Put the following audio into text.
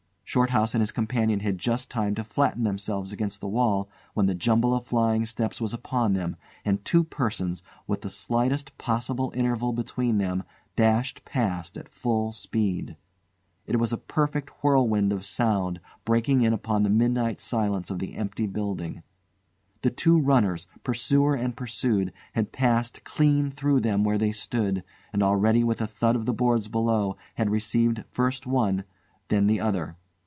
Shorthouse and his companion just had time to flatten themselves against the wall when the jumble of flying steps was upon them, and two persons, with the slightest possible interval between them, dashed past at full speed. It was a perfect whirlwind of sound breaking in upon the midnight silence of the empty building. The two runners, pursuer and pursued, had passed clean through them where they stood, and already with a thud the boards below had received first one, then the other.